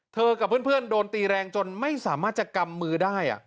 กับเพื่อนโดนตีแรงจนไม่สามารถจะกำมือได้